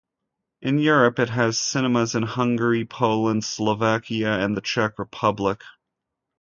In Europe it has cinemas in Hungary, Poland, Slovakia and the Czech Republic.